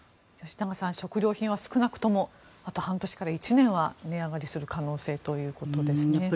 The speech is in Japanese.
吉永さん、食料品は少なくともあと半年から１年は値上がりする可能性ということですね。